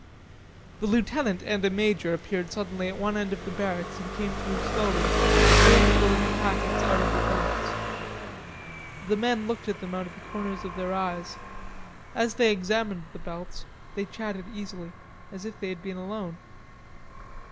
The lieutenant and a major appeared suddenly at one end of the barracks and came through slowly, pulling the little packets out of the belts. The men looked at them out of the corners of their eyes. As they examined the belts, they chatted easily, as if they had been alone.